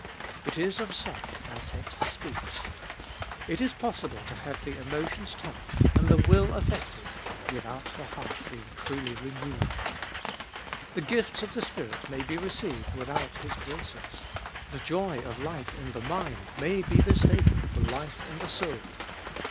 It is of such our text speaks. It is possible to have the emotions touched and the will affected without the heart being truly renewed. The gifts of the Spirit may be received without His graces. The joy of light in the mind may be mistaken for life in the soul.